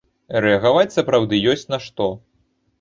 Рэагаваць сапраўды ёсць на што.